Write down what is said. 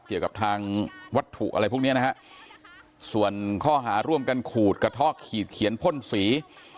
เกี่ยวกับทางวัตถุอะไรพวกนี้นะฮะส่วนข้อหาร่วมกันขูดกระท่อขีดเขียนพ่นสี